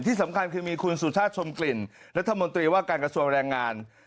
ที่สำคัญคือมีคุณสุชาติชมกลิ่นรัฐมนตรีว่าการกระทรวงแรงงาน